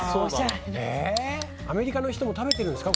アメリカの人も食べてるんですか？